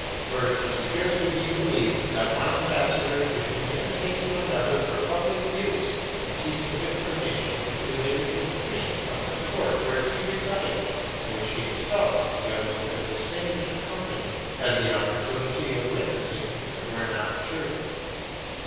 For it can scarcely be believed, that one Ambassador should communicate to another for public use a piece of information which related to the Queen of the Court where he resided, and which he himself, together with a distinguished company, had the opportunity of witnessing if it were not true.